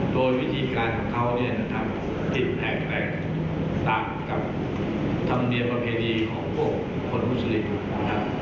โดยวิธีการของเขาผิดแผงแรงต่างกับธรรมเนียมประเภทดีของพวกคนพุทธฤทธิ์